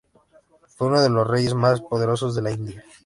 Fue uno de los reyes más poderosos de la India.